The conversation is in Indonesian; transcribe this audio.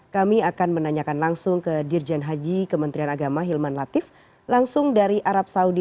kami akan menanyakan langsung ke dirjen haji kementerian agama hilman latif langsung dari arab saudi